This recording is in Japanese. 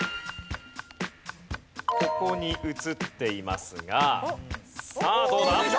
ここに映っていますがさあどうだ？